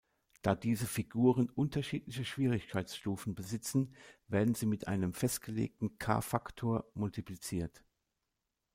Da diese Figuren unterschiedliche Schwierigkeitsstufen besitzen werden sie mit einem festgelegten K-Faktor multipliziert.